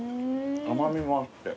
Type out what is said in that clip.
甘味もあって。